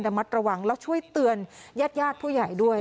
ระมัดระวังแล้วช่วยเตือนแยธยาดผู้ใหญ่ด้วย